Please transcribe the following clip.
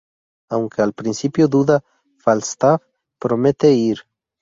Aunque al principio duda, Falstaff promete ir.